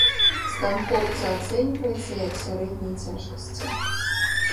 Стан хлопца ацэньваецца, як сярэдняй цяжкасці.